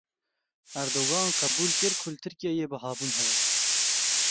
Erdogan qebul kir ku li Tirkiyeyê bihabûn heye.